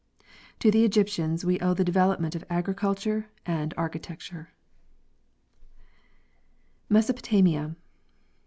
To the Egyptians we owe the development of agriculture and architecture. Mesopotamia.